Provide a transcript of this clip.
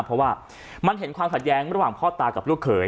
เพราะว่ามันเห็นความขัดแย้งระหว่างพ่อตากับลูกเขย